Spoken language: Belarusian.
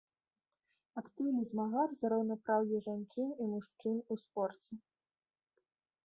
Актыўны змагар за раўнапраўе жанчын і мужчын у спорце.